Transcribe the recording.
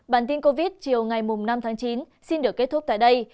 bản tin covid chiều ngày năm tháng chín xin được kết thúc tại đây